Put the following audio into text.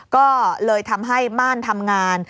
ก็เลยทำให้ม่านทำงาน